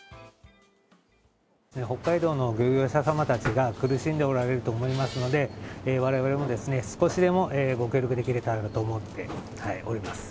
北海道の漁業者様たちが苦しんでおられると思いますので、われわれも少しでもご協力できたらと思っております。